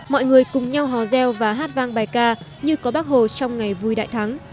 mọi người cùng nhau hò reo và hát vang bài ca như có bác hồ trong ngày vui đại thắng